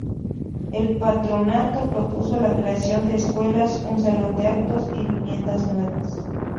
El patronato propuso la creación de escuelas, un salón de actos y viviendas nuevas.